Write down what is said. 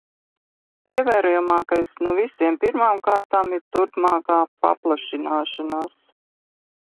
Ievērojamākais no visiem pirmām kārtām ir turpmākā paplašināšanās.